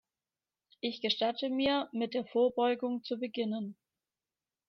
Ich gestatte mir, mit der Vorbeugung zu beginnen.